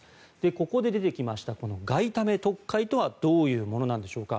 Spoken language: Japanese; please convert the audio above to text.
ここで出てきました外為特会とはどういうものなんでしょうか。